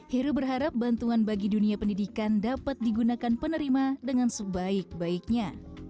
heru berharap bantuan bagi dunia pendidikan dapat digunakan penerima dengan sebaik baiknya